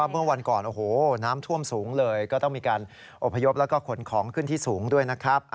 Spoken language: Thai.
เมื่อวันก่อนโอ้โหน้ำท่วมสูงเลยก็ต้องมีการอบพยพแล้วก็ขนของขึ้นที่สูงด้วยนะครับ